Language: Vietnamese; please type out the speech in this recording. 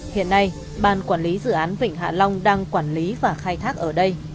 hiện nay ban quản lý dự án vịnh hạ long đang quản lý và khai thác ở đây